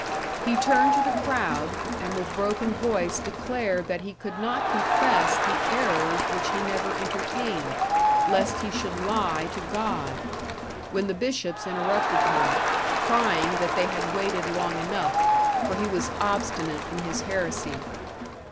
He turned to the crowd, and with broken voice declared that he could not confess the errors which he never entertained, lest he should lie to God, when the bishops interrupted him, crying that they had waited long enough, for he was obstinate in his heresy.